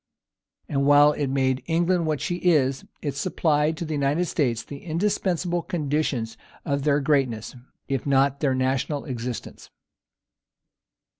And while it made England what she is, it supplied to the United States the indispensable condition of their greatness, if not of their national existence.